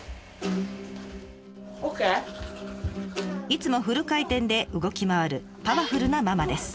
いつもフル回転で動き回るパワフルなママです。